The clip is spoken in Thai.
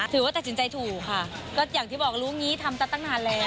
ถือว่าตัดสินใจถูกค่ะก็อย่างที่บอกรู้อย่างนี้ทำตั้งนานแล้ว